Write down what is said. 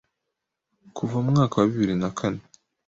kuva mu mwaka wa bibiri na kane